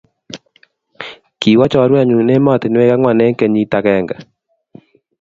kiwo chorwenyu emotinwek ang'wan eng kenyit agenge